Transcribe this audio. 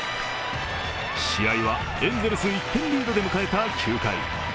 試合はエンゼルス１点リードで迎えた９回。